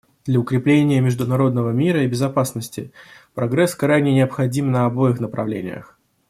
Для укрепления международного мира и безопасности прогресс крайне необходим на обоих направлениях.